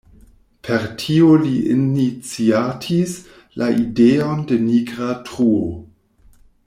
Per tio li iniciatis la ideon de nigra truo.